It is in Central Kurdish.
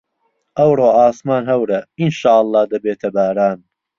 ئەوڕۆ ئاسمان هەورە، ئینشاڵڵا دەبێتە باران.